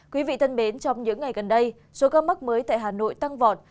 quý vị thân mến trong những ngày gần đây số ca mắc mới tại hà nội tăng vọt